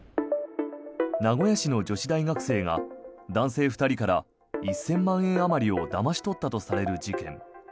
名古屋市の女子大学生が男性２人から１０００万円あまりをだまし取ったとされる事件。